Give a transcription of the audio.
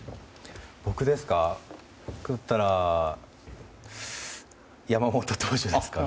僕だったら山本投手ですかね。